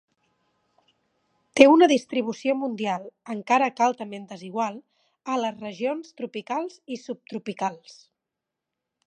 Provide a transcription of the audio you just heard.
Té una distribució mundial, encara que altament desigual, a les regions tropicals i subtropicals.